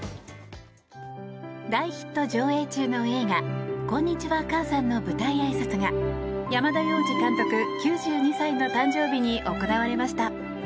大ヒット上映中の映画「こんにちは、母さん」の舞台あいさつが山田洋次監督９２歳の誕生日に行われました。